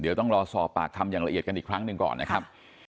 เดี๋ยวต้องรอสอบปากคำอย่างละเอียดกันอีกครั้งหนึ่งก่อนนะครับ